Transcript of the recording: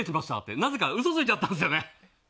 なぜか嘘ついちゃったんですよね。